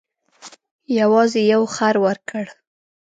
یوازې یو خر ورکړ.